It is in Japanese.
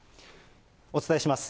お伝えします。